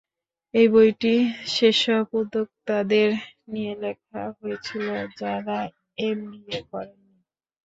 এই বইটি সেসব উদ্যোক্তাদের নিয়ে লেখা হয়েছিল, যাঁরা এমবিএ করেন নি।